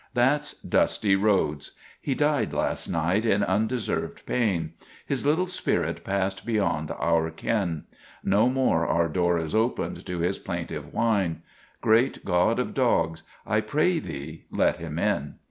That 's Dusty Rhodes. He died last night in un deserved pain. His little spirit passed beyond our ken. No more our door is opened to his plaintive whine. Great God of Dogs, I pray thee, let him in.